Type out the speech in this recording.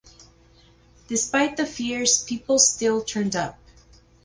Despite the fears people still turned up.